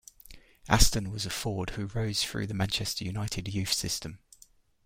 Aston was a forward who rose through the Manchester United youth system.